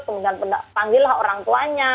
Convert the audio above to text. kemudian panggillah orang tuanya